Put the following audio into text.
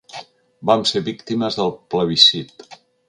Vam ser víctimes del plebiscit.